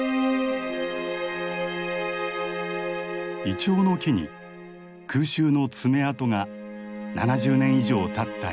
イチョウの木に空襲の爪痕が７０年以上たった